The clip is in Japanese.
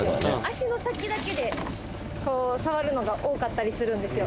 足の先だけで触るのが多かったりするんですよ